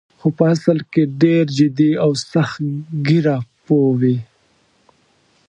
خو په اصل کې ډېر جدي او سخت ګیره پوه وې.